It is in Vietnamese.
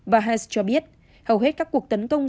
và hess cho biết hầu hết các cuộc tấn công